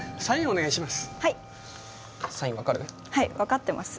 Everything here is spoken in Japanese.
お願いします。